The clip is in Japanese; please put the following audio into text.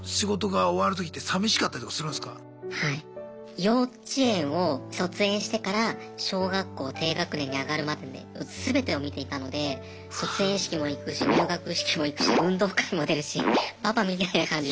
幼稚園を卒園してから小学校低学年に上がるまでね全てを見ていたので卒園式も行くし入学式も行くし運動会も出るしパパみたいな感じで。